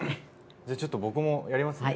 じゃあちょっと僕もやりますね。